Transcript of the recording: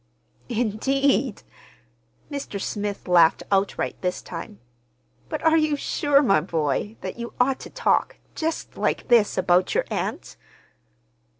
"Indeed!" Mr. Smith laughed outright this time. "But are you sure, my boy, that you ought to talk—just like this, about your aunt?"